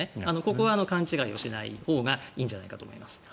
ここは勘違いをしないほうがいいんじゃないかと思います。